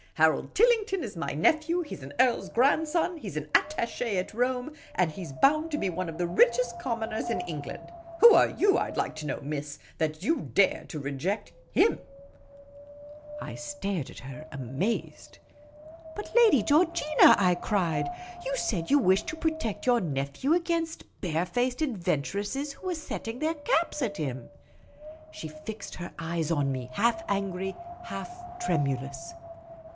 Harold Tillington is my nephew ; he 's an earl's grandson ; he 's an attache at Rome ; and he 's bound to be one of the richest commoners in Eng land. Who are you, I 'd like to know, miss, that you dare to reject him ?" I stared at her, amazed. " But, Lady Georgina," I cried, " you said you wished to protect your nephew against bare faced adventuresses who were setting their caps at him." She fixed her eyes on me, half angry, half tremulous.